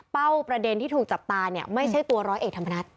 ประเด็นที่ถูกจับตาเนี่ยไม่ใช่ตัวร้อยเอกธรรมนัฐ